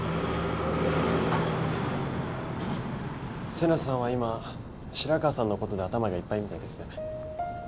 瀬那さんは今白川さんのことで頭がいっぱいみたいですね。